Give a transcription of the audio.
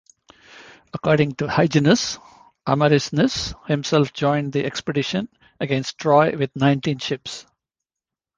According to Hyginus, Amarynceus himself joined the expedition against Troy with nineteen ships.